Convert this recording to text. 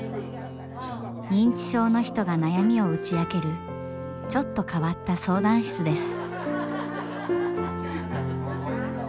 認知症の人が悩みを打ち明けるちょっと変わった相談室です。